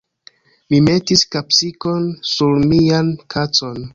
Mi metis kapsikon sur mian kacon.